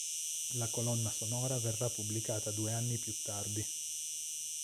La colonna sonora verrà pubblicata due anni più tardi.